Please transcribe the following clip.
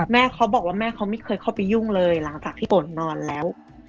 แม่เขาบอกว่าแม่เขาไม่เคยเข้าไปยุ่งเลยหลังจากที่ฝนนอนแล้ว